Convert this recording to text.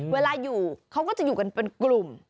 เวลาอยู่เขาก็จะอยู่กันเป็นกลุ่ม